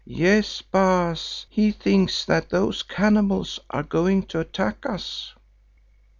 Yes, Baas, he thinks that those cannibals are going to attack us."